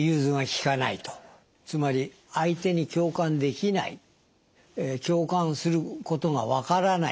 つまり相手に共感できない共感することがわからない。